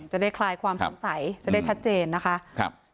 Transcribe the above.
คลายความสงสัยจะได้ชัดเจนนะคะ